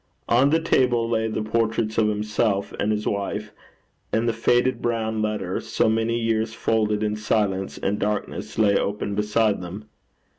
On the table lay the portraits of himself and his wife; and the faded brown letter, so many years folded in silence and darkness, lay open beside them.